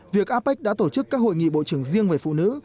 việc apec đã tổ chức các hội nghị bộ trưởng riêng về phụ nữ